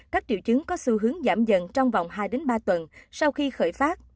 các triệu chứng có xu hướng giảm dần trong vòng hai ba tuần sau khi khởi phát